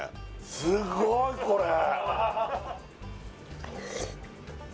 すっごいこれ！